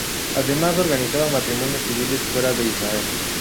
Además organizaba matrimonios civiles fuera de Israel.